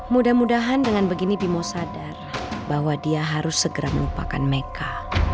mudah mudahan dengan begini bimo sadar bahwa dia harus segera melupakan mereka